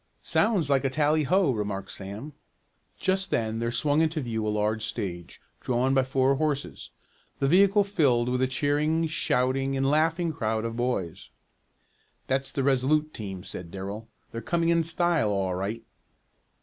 "Sounds like a tally ho," remarked Sam. Just then there swung into view a large stage, drawn by four horses, the vehicle filled with a cheering, shouting and laughing crowd of boys. "That's the Resolute team," said Darrell. "They're coming in style all right."